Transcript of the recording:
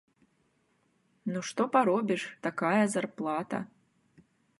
Ну што паробіш, такая зарплата!